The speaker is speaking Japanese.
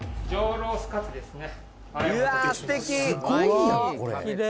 ロースかつですね